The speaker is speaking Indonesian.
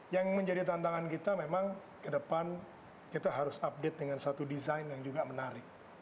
yang menjadi tantangan kita memang ke depan kita harus update dengan satu desain yang juga menarik